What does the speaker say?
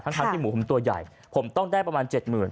ทั้งที่หมูผมตัวใหญ่ผมต้องได้ประมาณ๗๐๐